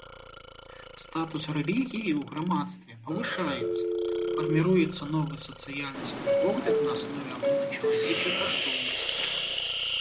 Статус рэлігіі ў грамадстве павышаецца, фарміруецца новы сацыяльны светапогляд на аснове агульначалавечых каштоўнасцей.